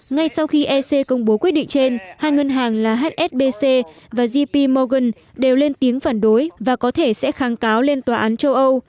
ngay sau khi ec công bố quyết định trên hai ngân hàng là hsbc và gp morgan đều lên tiếng phản đối và có thể sẽ kháng cáo lên tòa án châu âu